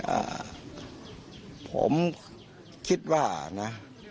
อันนี้ผมคิดว่านะ